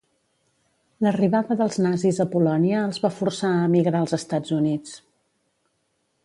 L'arribada dels nazis a Polònia els va forçar a emigrar als Estats Units.